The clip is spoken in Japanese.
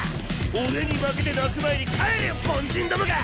俺に負けて泣く前に帰れよ凡人どもが！